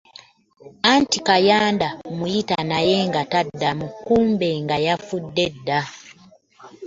Anti yakanda muyita naye nga taddamu kumbe nga yafudde dda.